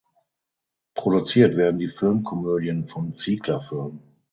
Produziert werden die Filmkomödien von Ziegler Film.